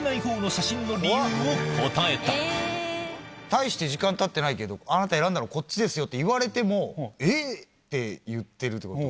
大して時間たってないけど「あなた選んだのこっちですよ」って言われても「え！」って言ってるってことは。